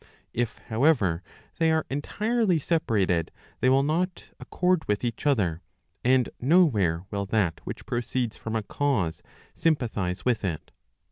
If, however, they are entirely separated, they will not accord with each other, and no where will that which proceeds from a cause sympathize with it.